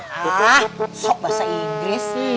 hah sok bahasa inggris